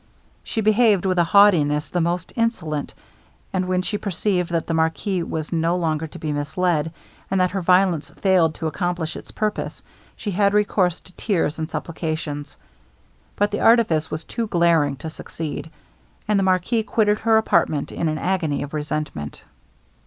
She behaved with a haughtiness the most insolent; and when she perceived that the marquis was no longer to be misled, and that her violence failed to accomplish its purpose, she had recourse to tears and supplications. But the artifice was too glaring to succeed; and the marquis quitted her apartment in an agony of resentment.